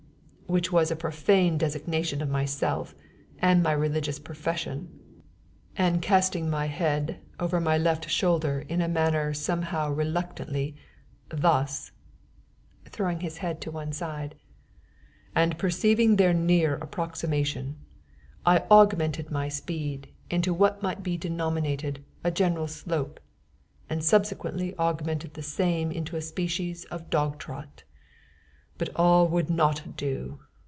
(which was a profane designation of myself and my religious profession), and casting my head over my left shoulder in a manner somehow reluctantly, thus, (throwing his head to one side), and perceiving their near approximation, I augmented my speed into what might be denominated a gentle slope, and subsequently augmented the same into a species of dog trot. But all would not do.